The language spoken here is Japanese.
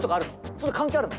それ関係あるの？